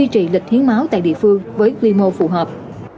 trị lịch thiếu máu tại địa phương với quy mô phù hợp